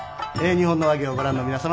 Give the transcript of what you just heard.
「日本の話芸」をご覧の皆様